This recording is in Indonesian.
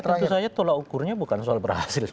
tentu saja tolak ukurnya bukan soal berhasil